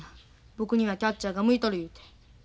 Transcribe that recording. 僕にはキャッチャーが向いとる言うて。